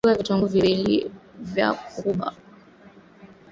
Chagua vitunguu mbili vya ukubwa wa kati na uvisage